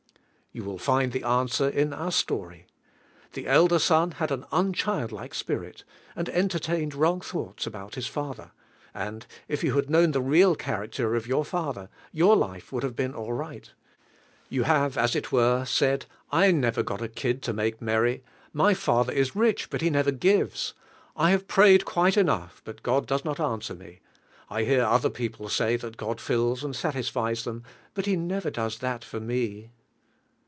You will find the answer In out story. The elder son Lad an um hildlike spirit, and entertained wrong thoughts about his father; and, if yon had known the real character of your Father, your life would have been all right. You have, as it were, said, "i never got a kid to make merry; my Father is rich, but He never gives. I have prayed quite enough, bid God does nof answer rue. I hear other people say Mini Goo 1 nils and sat isfies them, but He never does that for me."